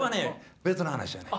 別の話やねん。